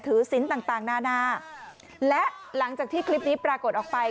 ศิลป์ต่างต่างนานาและหลังจากที่คลิปนี้ปรากฏออกไป